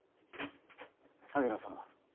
萩野さん